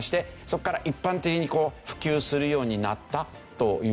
そこから一般的にこう普及するようになったというわけですね。